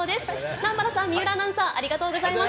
南原さん、水卜アナウンサー、ありがとうございます。